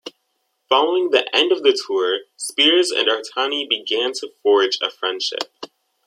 Following the end of the tour, Spears and Artani began to forge a friendship.